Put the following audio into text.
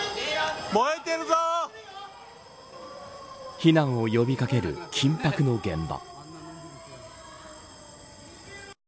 避難を呼び掛ける緊迫の現場。